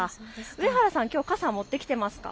上原さん、きょう傘、持ってきていますか。